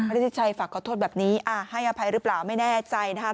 ฤทธิชัยฝากขอโทษแบบนี้ให้อภัยหรือเปล่าไม่แน่ใจนะครับ